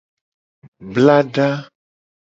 Blada.